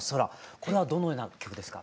これはどのような曲ですか？